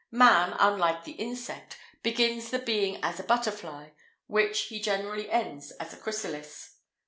Man, unlike the insect, begins the being as a butterfly, which he generally ends as a chrysalis.